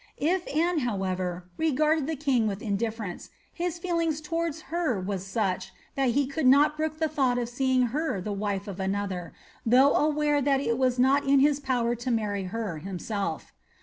If Anne, however, regarded the king with indifference, his feelings towards her were such that he could not brook the thought of seeing her the wife of another, though aware that it was not in his power to HMrry her himself.'